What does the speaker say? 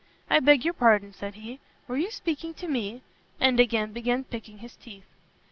"I beg your pardon," said he, "were you speaking to me?" and again began picking his teeth.